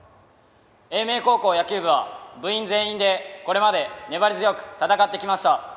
英明高校野球部は部員全員でこれまで粘り強く戦ってきました。